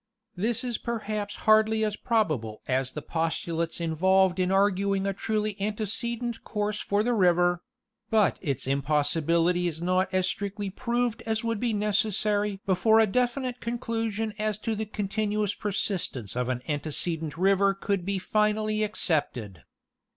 This is perhaps hardly as probable as the postulates involved in arguing a truly antecedent course for the river; but its impossibility is not as strictly proved as would be necessary before a definite conclusion as to the continuous persistence of an antecedent river could be finally accepted.